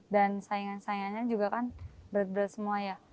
dan saingan saingannya juga kan berat berat semua ya